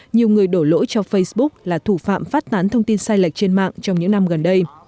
nhiều người đổ lỗi cho facebook là thủ phạm phát tán thông tin sai lệch trên mạng trong những năm gần đây